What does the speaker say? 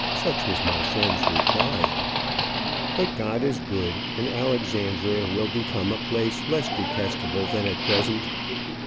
Such was my friend's reply. But God is good, and Alexandria will become a place less detestable than at present.